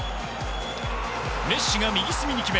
メッシが右隅に決め